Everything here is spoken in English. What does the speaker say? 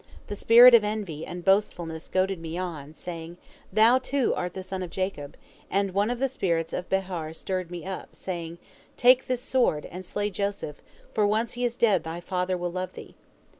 The spirit of envy and boastfulness goaded me on, saying, 'Thou, too, art the son of Jacob,' and one of the spirits of Behar stirred me up, saying, 'Take this sword, and slay Joseph, for once he is dead thy father will love thee.'